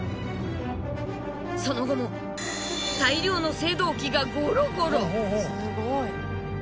その後も大量の青銅器がゴロゴロ。